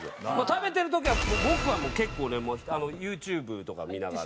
食べてる時は僕はもう結構ねＹｏｕＴｕｂｅとか見ながら。